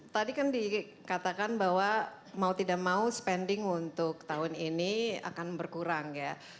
tadi kan dikatakan bahwa mau tidak mau spending untuk tahun ini akan berkurang ya